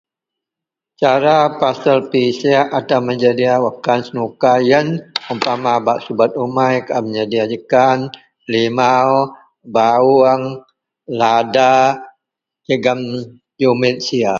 Cara pasel pisek atau menyedia wakkan wak senuka iyen umpama bak subet umai kaau menyedia jekan limau bawong lada jegem jumit sia.